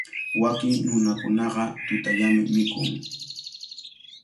Wakin nunakunaqa tutallami mikun.